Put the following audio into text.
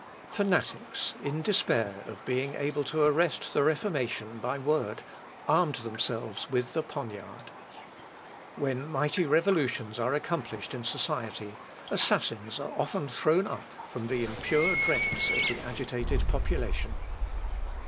Fanatics in despair of being able to arrest the Reformation by word, armed themselves with the poniard. When mighty revolutions are accomplished in society, assassins are often thrown up from the impure dregs of the agitated population.